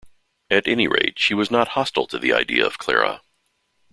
At any rate, she was not hostile to the idea of Clara.